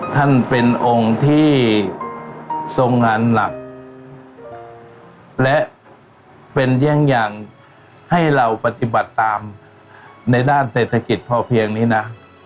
ท่านเป็นองค์ที่ทรงงานหลักและเป็นแย่งอย่างให้เราปฏิบัติตามในด้านเศรษฐกิจพอเพียงนี้นะ